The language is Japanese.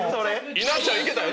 稲ちゃんいけたよね？